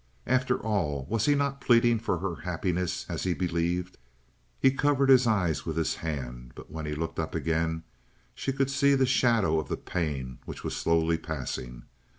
And after all was he not pleading for her happiness as he believed? He covered his eyes with his hand; but when he looked up again she could see the shadow of the pain which was slowly passing.